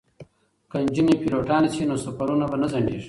که نجونې پیلوټانې شي نو سفرونه به نه ځنډیږي.